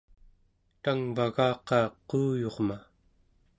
tangvagaqa quuyurma